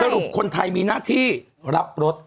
สรุปคนไทยมีหน้าที่รับรส